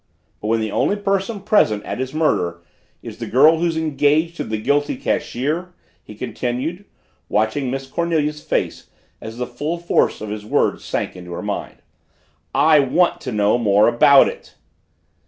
"But when the only person present at his murder is the girl who's engaged to the guilty cashier," he continued, watching Miss Cornelia's face as the full force of his words sank into her mind, "I want to know more about it!"